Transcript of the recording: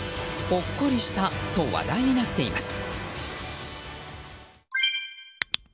ほっこりしたと話題になっています。